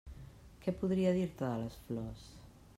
Què podria dir-te de les flors?